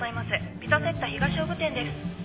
ピザセッタ東尾久店です。